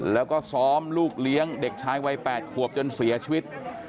แล้วก็ซ้อมลูกเลี้ยงเด็กชายวัย๘ขวบจนเสียชีวิต